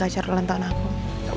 tapi karonanya karenanya kalaufe dodge